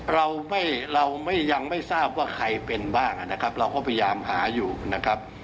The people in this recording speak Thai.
เราไม่เราไม่ยังไม่ทราบว่าใครเป็นบ้างนะครับเราก็พยายามหาอยู่นะครับ